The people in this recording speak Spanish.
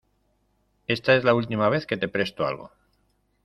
Está es la última vez que te presto algo.